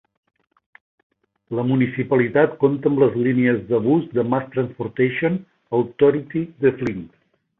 La municipalitat compta amb les línies de bus de Mass Transportation Authority de Flint.